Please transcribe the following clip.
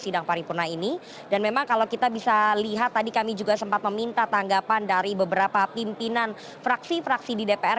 dan memang kalau kita bisa lihat tadi kami juga sempat meminta tanggapan dari beberapa pimpinan fraksi fraksi di dpr